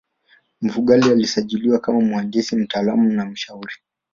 Mfugale alisajiliwa kama mhandisi mtaalamu na mshauri